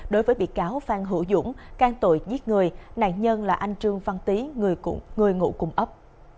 đối với bị cáo phan hữu dũng can tội giết người nạn nhân là anh trương văn tý người ngụ cùng ấp